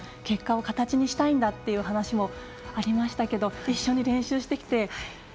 結果を形にしたいんだという話もありましたけど一緒に練習してきて。